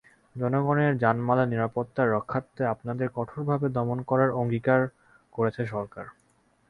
জনগণের জানমালের নিরাপত্তার রক্ষার্থে আপনাদের কঠোরভাবে দমন করার অঙ্গীকার করেছে সরকার।